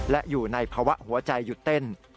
และอยู่ในภาวะหัวใจหยุดเต้น